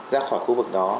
ra khỏi khu vực đó